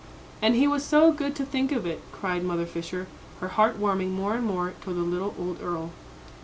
"And he was so good to think of it," cried Mother Fisher, her heart warming more and more toward the little old earl.